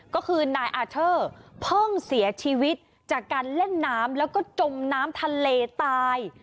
ก็คือนายอาเทอร์เพิ่งเสียชีวิตจากการเล่นน้ำแล้วก็จมน้ำทะเลตาย